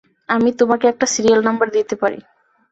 আমি তোমাকে একটা সিরিয়াল নম্বর দিতে পারি।